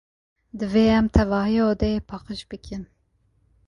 Divê em tevahiya odeyê paqij bikin.